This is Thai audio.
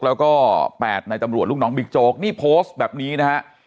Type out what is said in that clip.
แล้วก็๘ในตำรวจลูกน้องบิ๊กโจ๊กนี่โพสต์แบบนี้นะฮะ